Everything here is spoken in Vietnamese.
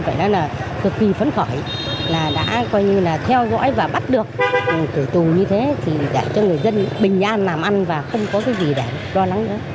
phải nói là cực kỳ phấn khỏi là đã coi như là theo dõi và bắt được tử tù như thế thì dạy cho người dân bình an làm ăn và không có cái gì để đo nắng nữa